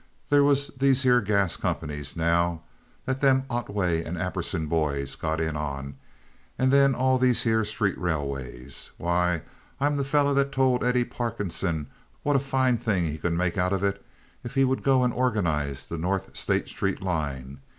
"There was these here gas companies, now, that them Otway and Apperson boys got in on, and then all these here street railways. Why, I'm the feller that told Eddie Parkinson what a fine thing he could make out of it if he would go and organize that North State Street line.